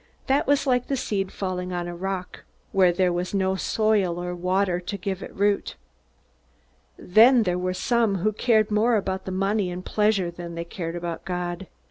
That was like seed falling on a rock, where there was no soil or water to give it root. Then there were some who cared more about money and pleasure than they cared about God.